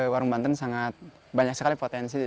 warung banten sangat banyak sekali potensi